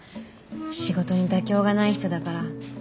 仕事に妥協がない人だから。